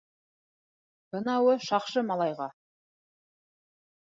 — Бынауы шаҡшы малайға.